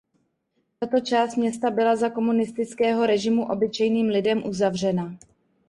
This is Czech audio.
Tato část města byla za komunistického režimu obyčejným lidem uzavřena.